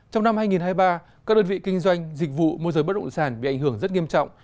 trong năm hai nghìn hai mươi ba các đơn vị kinh doanh dịch vụ môi giới bất động sản bị ảnh hưởng rất nghiêm trọng